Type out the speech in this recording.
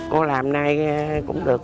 cô làm này cũng được